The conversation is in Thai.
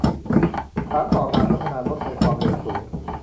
สานต่อการพัฒนารถไฟความเร็วสูง